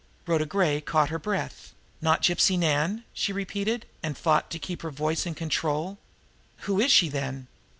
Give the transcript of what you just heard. Rhoda Gray caught her breath. "Not Gypsy Nan!" she repeated and fought to keep her voice in control. "Who is she, then?"